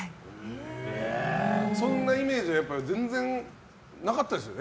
そんなイメージは全然なかったですよね。